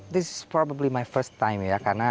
ini mungkin pertama kali saya melakukannya ya